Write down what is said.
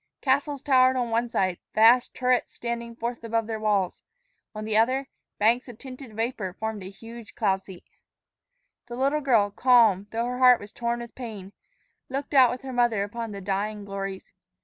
Castles towered on one side, vast turrets standing forth above their walls; on the other, banks of tinted vapor formed a huge cloud seat. The little girl, calm, though her heart was torn with pain, looked out with her mother upon the dying glories.